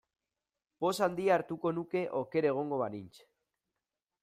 Poz handia hartuko nuke oker egongo banintz.